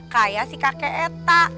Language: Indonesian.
kayak si kakek eta